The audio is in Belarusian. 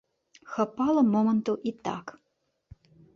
Хапала момантаў і так.